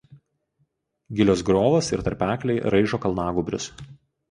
Gilios griovos ir tarpekliai raižo kalnagūbrius.